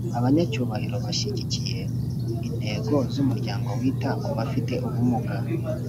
Abanyacyubahiro bashyigikiye intego z’umuryango wita ku bafite ubumuga